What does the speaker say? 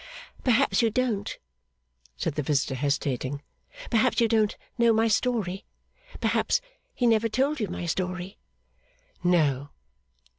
'Perhaps you don't,' said the visitor, hesitating 'perhaps you don't know my story? Perhaps he never told you my story?' 'No.